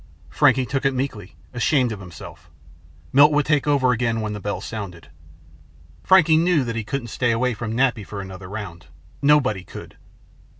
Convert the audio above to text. Frankie took it meekly; ashamed of himself. Milt would take over again when the bell sounded. Frankie knew that he couldn't stay away from Nappy for another round. Nobody could.